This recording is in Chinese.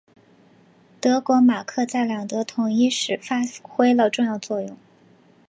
德国马克在两德统一时发挥了重要作用。